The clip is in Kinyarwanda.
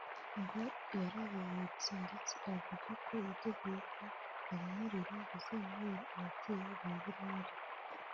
ngo yarabohotse ndetse avuga ko yiteguye ko abamurera bazamubera ababyeyi ba burundu